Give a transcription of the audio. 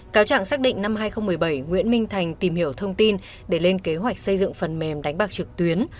cáo trạng xác định năm hai nghìn một mươi bảy nguyễn minh thành tìm hiểu thông tin để lên kế hoạch xây dựng phần mềm đánh bạc trực tuyến